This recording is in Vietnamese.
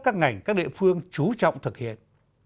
các ngành các địa phương chú trọng thực hiện